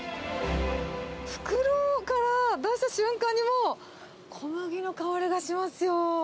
袋から出した瞬間に、もう、小麦の香りがしますよ。